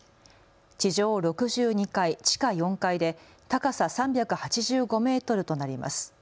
地上６２階、地下４階で高さ３８５メートルとなります。